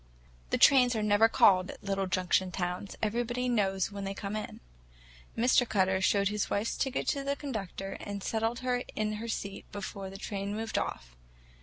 The trains are never called at little junction towns; everybody knows when they come in. Mr. Cutter showed his wife's ticket to the conductor, and settled her in her seat before the train moved off.